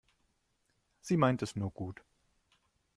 Sie meint es nur gut.